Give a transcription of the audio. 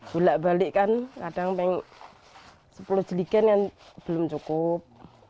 gulak balik kan kadang pengen sepuluh jilikan yang belum cukup